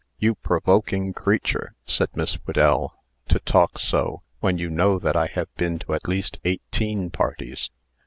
"You provoking creature," said Miss Whedell, "to talk so, when you know that I have been to at least eighteen parties!"